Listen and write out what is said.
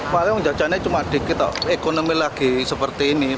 paling jajannya cuma dikit ekonomi lagi seperti ini